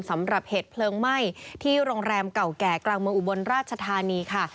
สำหรับเหตุเพลิงไหม้ที่โรงแรมเก่าแก่กลางเมืองอุบลราชธานีค่ะ